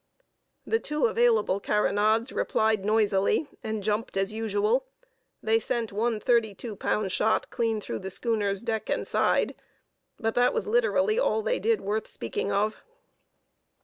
The two available carronades replied noisily, and jumped as usual; they sent one thirty two pound shot clean through the schooner's deck and side; but that was literally all they did worth speaking of.